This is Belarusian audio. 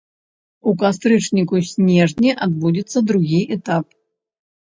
У кастрычніку-снежні адбудзецца другі этап.